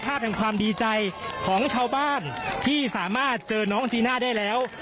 แห่งความดีใจของชาวบ้านที่สามารถเจอน้องจีน่าได้แล้ว